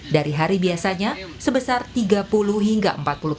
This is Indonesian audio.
dari hari biasanya sebesar tiga puluh hingga empat puluh